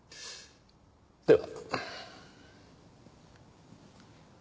では。